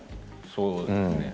そうですね。